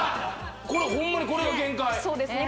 これホンマにこれが限界そうですね